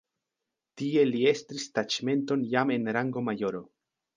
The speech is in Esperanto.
Tie li estris taĉmenton jam en rango majoro.